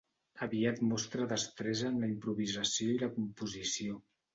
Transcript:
Aviat mostra destresa amb la improvisació i la composició.